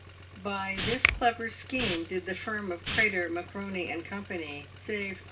By this clever scheme did the firm of Crater, McRoney, and Co. save 115